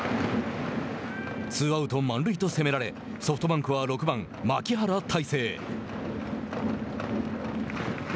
ツーアウト、満塁と攻められソフトバンクは６番牧原大成。